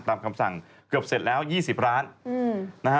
คำสั่งเกือบเสร็จแล้ว๒๐ล้านนะฮะ